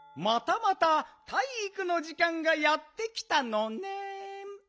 またまたたいいくのじかんがやってきたのねん。